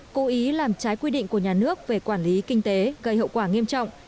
cố ý làm trái quy định của nhà nước về quản lý kinh tế gây hậu quả nghiêm trọng